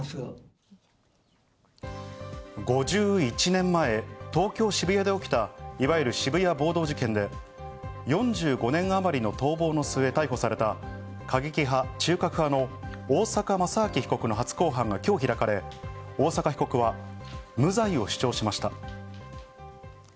５１年前、東京・渋谷で起きた、いわゆる渋谷暴動事件で４５年あまりの逃亡の末、逮捕された過激派「中核派」の大坂正明被告の初公判が今日開かれ、大坂被告は無罪を主張しました。